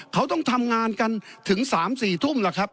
เขาต้องทำงานกันถึง๓๔ทุ่มล่ะครับ